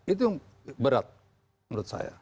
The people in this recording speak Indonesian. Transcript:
itu berat menurut saya